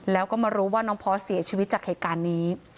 แล้วก็มารู้ว่าน้องพอสเสียชีวิตจากเหตุการณ์นี้